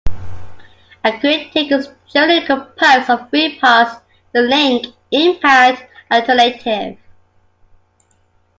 A kritik is generally composed of three parts, the link, impact, and alternative.